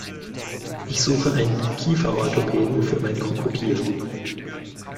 Ich suche einen Kieferorthopäden für mein Krokodil.